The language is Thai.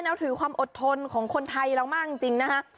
นับถือความอดทนของคนไทยเรามากจริงนะฮะ